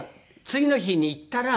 次の日に行ったら。